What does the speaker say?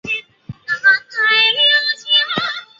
他们说出席委员都在睡觉